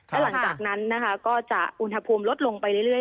และหลังจากนั้นนะคะก็จะอุณหภูมิลดลงไปเรื่อย